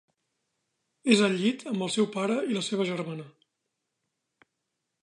És al llit amb el seu pare i la seva germana.